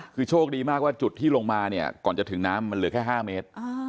คือโชคดีมากว่าจุดที่ลงมาเนี่ยก่อนจะถึงน้ำมันเหลือแค่๕เมตร